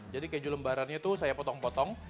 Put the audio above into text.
jadi keju lembarannya itu saya potong potong